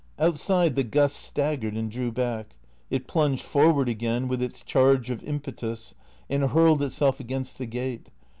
Outside the gust staggered and drew back; it plunged for ward again, with its charge of impetus, and hurled itself against the gate.